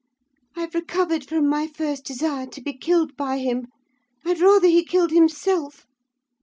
I've recovered from my first desire to be killed by him: I'd rather he'd kill himself!